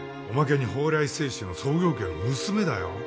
おまけに宝来製紙の創業家の娘だよ